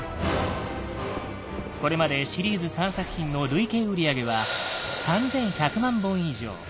これまでシリーズ３作品の累計売上は３１００万本以上。